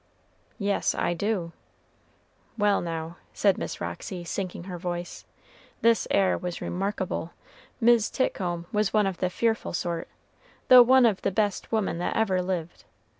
"Yes, I do. Well, now," said Miss Roxy, sinking her voice, "this 'ere was remarkable. Mis' Titcomb was one of the fearful sort, tho' one of the best women that ever lived.